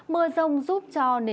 mưa rông giúp cho nền nhiệt